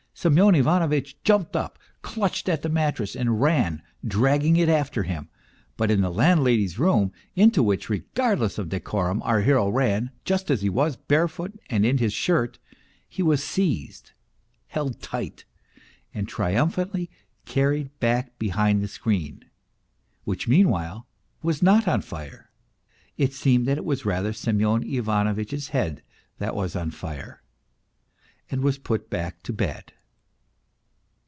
Semyon Ivanovitch jumped up, clutched at the mattress and ran dragging it after him. But in the landlady's room into which, regardless of de corum, our hero ran just as he was, barefoot and in his shirt, he was seized, held tight, and triumphantly carried back behind the screen, which meanwhile was not on fire it seemed that it was rather Semyon Ivanovitch's head that was on fire and was put back to bed.